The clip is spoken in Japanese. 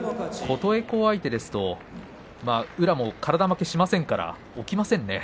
琴恵光相手ですと宇良も体負けしませんから起きませんね。